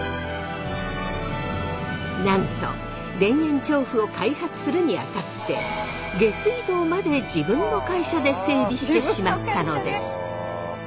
なんと田園調布を開発するにあたって下水道まで自分の会社で整備してしまったのです。